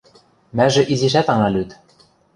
Мӓжӹ изишӓт ана лӱд.